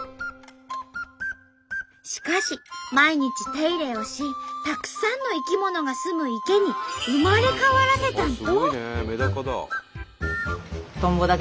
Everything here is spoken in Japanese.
しかし毎日手入れをしたくさんの生き物がすむ池に生まれ変わらせたんと。